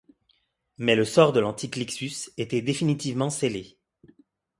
Mais le sort de l'antique Lixus était définitivement scellé.